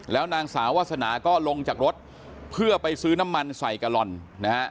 แล้วนางสาววาสนาก็ลงจากรถเพื่อไปซื้อน้ำมันใส่กะลอนนะฮะ